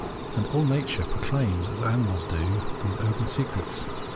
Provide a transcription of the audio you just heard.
And all nature pro claims, as animals do, these open secrets, these * Cf.